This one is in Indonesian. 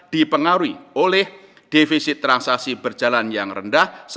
dipengaruhi oleh defisit transaksi berjalan yang terjadi di indonesia